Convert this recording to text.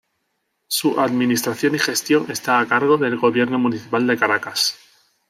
Su administración y gestión está a cargo del gobierno municipal de Caracas.